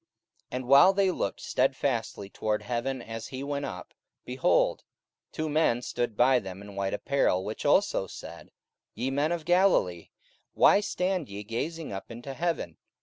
44:001:010 And while they looked stedfastly toward heaven as he went up, behold, two men stood by them in white apparel; 44:001:011 Which also said, Ye men of Galilee, why stand ye gazing up into heaven?